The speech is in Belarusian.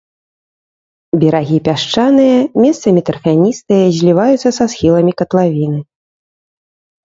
Берагі пясчаныя, месцамі тарфяністыя, зліваюцца са схіламі катлавіны.